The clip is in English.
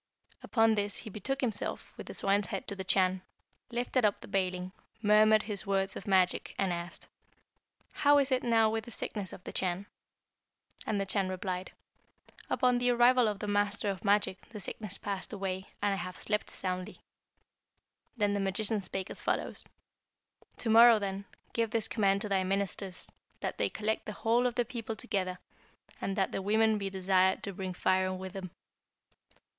Upon this he betook himself, with the swine's head to the Chan, lifted up the baling, murmured his words of magic, and asked, 'How is it now with the sickness of the Chan?' And the Chan replied, 'Upon the arrival of the master of magic the sickness passed away, and I have slept soundly.' Then the magician spake as follows: 'To morrow, then, give this command to thy ministers, that they collect the whole of the people together, and that the women be desired to bring firing with them.'